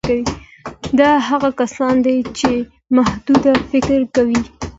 دا هغه کسان دي چې محدود فکر کوي